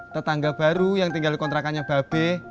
tetangga baru yang tinggal kontrakannya mbak be